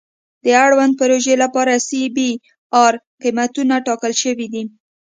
د اړوندې پروژې لپاره سی بي ار قیمتونه ټاکل شوي دي